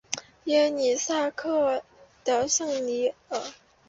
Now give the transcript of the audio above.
耶尔萨克的圣热尼。